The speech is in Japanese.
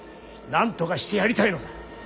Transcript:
なんとかしてやりたいのだ。